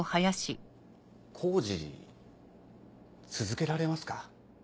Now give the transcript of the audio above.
工事続けられますか？